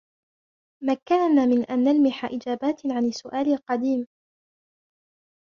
مكننا من أن نلمح إجابات عن السؤال القديم